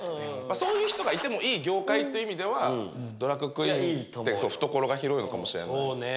そういう人がいてもいい業界という意味ではドラァグクイーンって懐が広いのかもしれないそうね